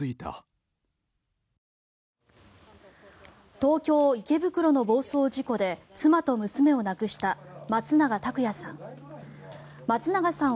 東京・池袋の暴走事故で妻と娘を亡くした松永拓也さん。